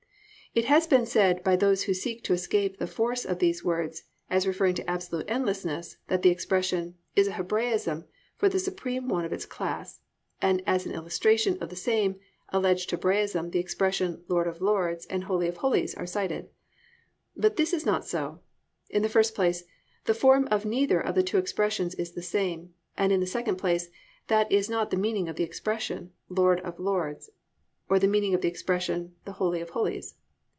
It has been said by those who seek to escape the force of these words as referring to absolute endlessness, that the expression "is a Hebraism for the supreme one of its class," and as an illustration of the same alleged Hebraism the expressions, "Lord of Lords" and "Holy of Holies" are cited. But this is not so. In the first place, the form of neither of the two expressions is the same; and, in the second place, that is not the meaning of the expression "The Lord of Lords" or the meaning of the expression "The Holy of Holies."